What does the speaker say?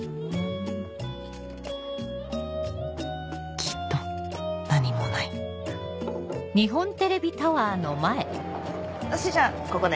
きっと何もない私じゃここで。